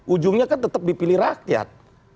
ujungnya kan tetap dipilih rakyat